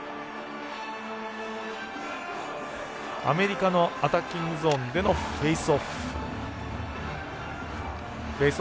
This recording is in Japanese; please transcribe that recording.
アメリカのアタッキングゾーンでのフェイスオフ。